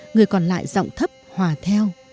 người còn lại giọng thấp hòa theo